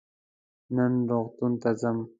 نن روغتون ته ځم.